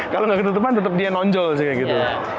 kalau gak ketutupan tetep dia nonjol juga gitu